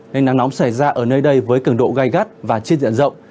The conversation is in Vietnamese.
nên nắng nóng xảy ra ở nơi đây với cường độ gai gắt và trên diện rộng